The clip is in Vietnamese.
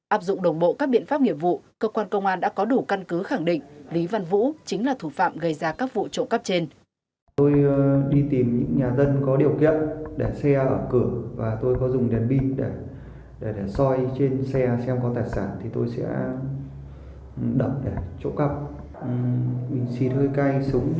áp dụng đồng bộ các biện pháp nghiệp vụ cơ quan công an đã có đủ căn cứ khẳng định lý văn vũ chính là thủ phạm gây ra các vụ trộm cắp trên